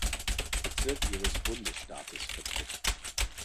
Bezirk ihres Bundesstaates vertritt.